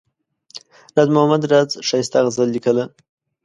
راز محمد راز ښایسته غزل لیکله.